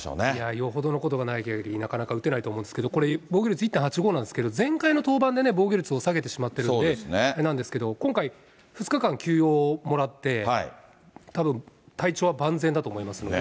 よほどのことがないかぎりなかなか打てないと思うんですけど、これ、防御率１．８５なんですけど、前回の登板で、防御率を下げてしまってるんで、あれなんですけど、今回、２日間休養もらって、たぶん体調は万全だと思いますので。